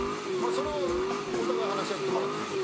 それはお互い話し合ってもらっていい？